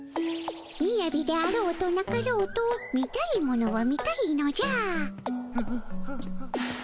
みやびであろうとなかろうと見たいものは見たいのじゃ。